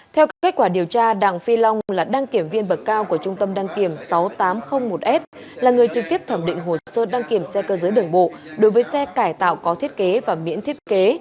theo các kết quả điều tra đặng phi long là đăng kiểm viên bậc cao của trung tâm đăng kiểm sáu nghìn tám trăm linh một s là người trực tiếp thẩm định hồ sơ đăng kiểm xe cơ giới đường bộ đối với xe cải tạo có thiết kế và miễn thiết kế